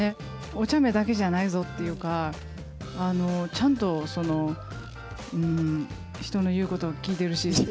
おちゃめだけじゃないぞっていうか、ちゃんとその、人の言うことも聞いてるし。